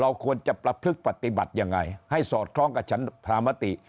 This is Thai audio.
ควรจะประพฤกษ์ปฏิบัติยังไงให้สอดคล้องกับฉันพามติ